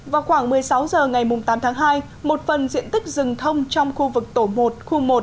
vào khoảng một mươi sáu h ngày tám tháng hai một phần diện tích rừng thông trong khu vực tổ một khu một